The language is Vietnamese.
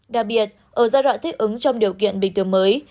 đặc biệt ở giai đoạn thích ứng trong điều kiện bình thường mới